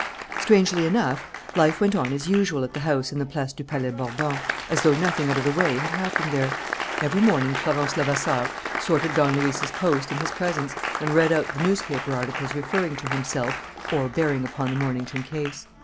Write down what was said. Strangely enough, life went on as usual at the house in the Place du Palais Bourbon, as though nothing out of the way had happened there. Every morning Florence Levasseur sorted Don Luis's post in his presence and read out the newspaper articles referring to himself or bearing upon the Mornington case.